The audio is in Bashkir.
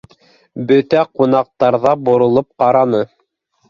Бөтә ҡунаҡтар ҙа боролоп ҡараны